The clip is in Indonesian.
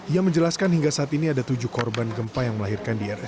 ia menjelaskan hingga saat ini ada tujuh korban gempa yang melahirkan di rsud